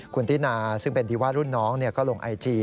คุณตินาซึ่งเป็นดีว่ารุ่นน้องก็ลงไอจี